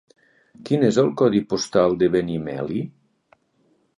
Quin és el codi postal de Benimeli?